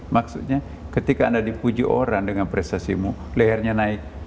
maksudnya ketika anda dipuji orang dengan prestasimu lehernya naik